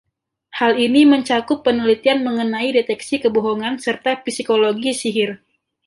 Hal ini mencakup penelitian mengenai deteksi kebohongan serta psikologi sihir.